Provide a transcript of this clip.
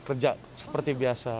kerja seperti biasa